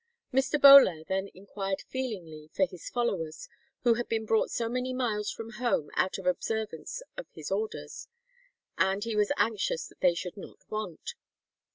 Mr. Bolair then inquired feelingly for his followers, who had been brought so many miles from home out of observance of his orders, and he was anxious that they should not want."